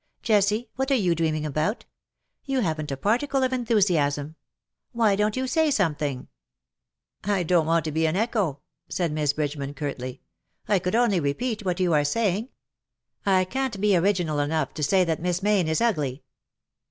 Jessie, uhat are you dreaming about ? You haven^t a particle of enthu siasm ! "Why don't you say something V CUPID AND PSYCHE. 221 *^ I don^t want to be an eclio/^ said Miss Bridge man, curtly. " I could only repeat what you are saying. I can^t be original enough to say that Miss Mayne is ugly."